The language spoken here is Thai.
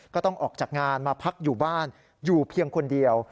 ก็ต้องออกจากงานมาพักอยู่บ้านอยู่เพียงคนเดียว